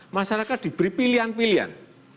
masyarakat diberi pilihan pilihan